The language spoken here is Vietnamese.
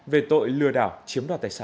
về tội lừa đảo chiếm đoạt tài sản